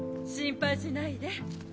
心配しないで。